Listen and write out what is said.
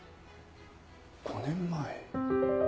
５年前。